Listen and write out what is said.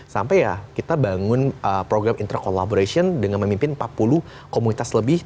sampai ya kita bangun program intra collaboration dengan memimpin empat puluh komunitas lebih